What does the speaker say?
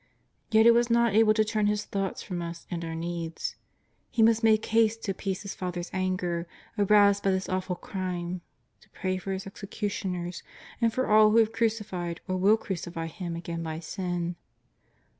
Yet it w^as not able to turn His thoughts from us and our needs. He must make haste to appease His Fa ther's anger, aroused by this awful crime, to pray for His executioners and for all who have crucified or will crucify Him again by sin.